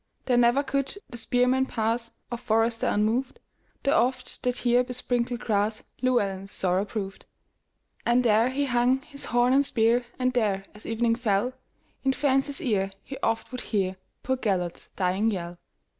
There never could the spearman pass, Or forester, unmoved; There oft the tear besprinkled grassLlewelyn's sorrow proved. And there he hung his horn and spear, And there, as evening fell, In fancy's ear he oft would hearPoor Gêlert's dying yell.